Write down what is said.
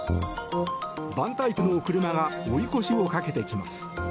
バンタイプの車が追い越しをかけてきます。